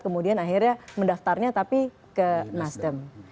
kemudian akhirnya mendaftarnya tapi ke nasdem